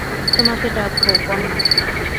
তোমাকে ডাকব– বন্যা।